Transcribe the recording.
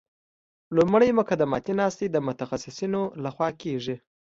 لومړی مقدماتي ناستې د متخصصینو لخوا کیږي